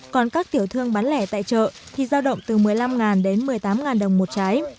còn các tiểu thương bán lẻ tại chợ thì giao động từ một mươi năm đến một mươi tám đồng một trái